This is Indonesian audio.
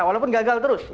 walaupun gagal terus